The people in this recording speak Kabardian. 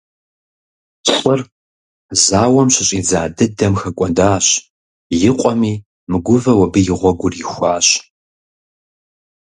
ЛӀыр зауэм щыщӀидза дыдэм хэкӀуэдащ, и къуэми мыгувэу абы и гъуэгур ихуащ.